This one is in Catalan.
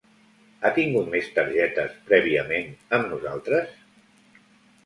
Ha tingut més targetes prèviament amb nosaltres?